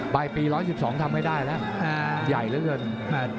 ไปปี๑๑๒ทำให้ได้ละใหญ่แล้วกัน